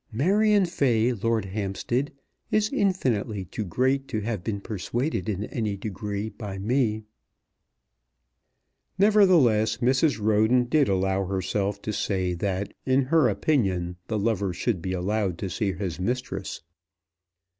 Marion Fay, Lord Hampstead, is infinitely too great to have been persuaded in any degree by me." Nevertheless Mrs. Roden did allow herself to say that in her opinion the lover should be allowed to see his mistress.